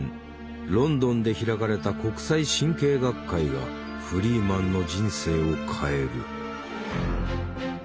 ロンドンで開かれた国際神経学会がフリーマンの人生を変える。